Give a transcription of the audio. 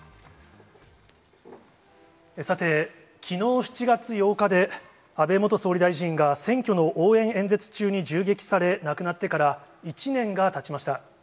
さて、きのう７月８日で、安倍元総理大臣が選挙の応援演説中に銃撃され亡くなってから１年がたちました。